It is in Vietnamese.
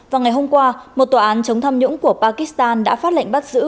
vào ngày hôm qua một tòa án chống tham nhũng của pakistan đã phát lệnh bắt giữ